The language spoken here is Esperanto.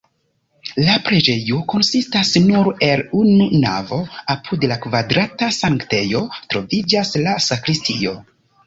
La preĝejo konsistas nur el unu navo, apud la kvadrata sanktejo troviĝas la sakristio.